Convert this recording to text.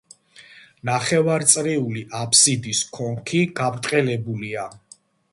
ნახევარწრიული აფსიდის კონქი გაბრტყელებულია.